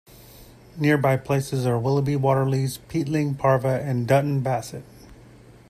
Nearby places are Willoughby Waterleys, Peatling Parva and Dunton Bassett.